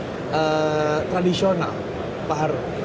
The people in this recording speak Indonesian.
atau perbankan tradisional pak harun